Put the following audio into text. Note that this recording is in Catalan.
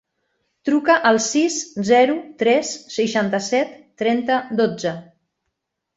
Truca al sis, zero, tres, seixanta-set, trenta, dotze.